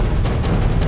kak di sini